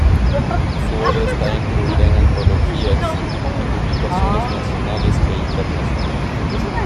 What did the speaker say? Su obra está incluida en antologías y publicaciones nacionales e internacionales.